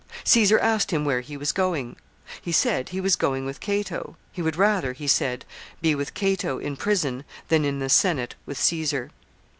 Caesar asked him where he was going. He said he was going with Cato. He would rather, he said, be with Cato in prison, than in the Senate with Caesar.